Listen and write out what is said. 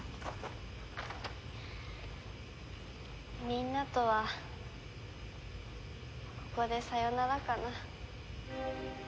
みんなとはここでさよならかな。